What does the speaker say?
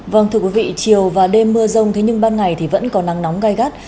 vâng thưa quý vị chiều và đêm mưa rông thế nhưng ban ngày thì vẫn có nắng nóng gai gắt